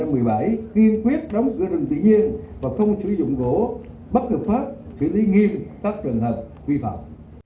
khiên quyết đóng cửa rừng tự nhiên và không sử dụng gỗ bắt được phát chỉ lý nghiêm các trường hợp quy phạm